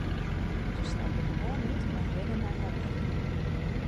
Se stappe gewoan út en rinne nei har wurk.